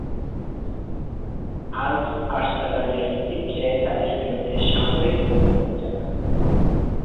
আল্প Arslan এর প্রতিক্রিয়ায় তাদের বিরুদ্ধে সামরিক অভিযান চালান।